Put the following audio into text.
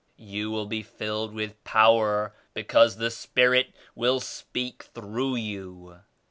You will be filled with powder because the Spirit will speak through you.